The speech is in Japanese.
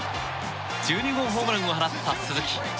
１２号ホームランを放った鈴木。